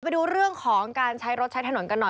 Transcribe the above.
ไปดูเรื่องของการใช้รถใช้ถนนกันหน่อย